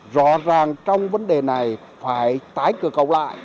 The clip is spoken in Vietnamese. rõ ràng trong vấn đề này phải tái cửa cầu lại